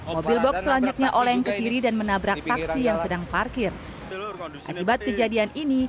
mobil box selanjutnya oleng ke kiri dan menabrak taksi yang sedang parkir akibat kejadian ini